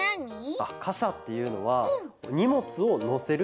かしゃっていうのはにもつをのせる